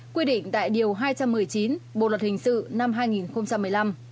quy định tại điều hai trăm một mươi chín bộ luật hình sự năm hai nghìn một mươi năm